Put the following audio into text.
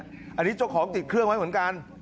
อันนี้เจ้าของติดเครื่องไว้เหมือนกัน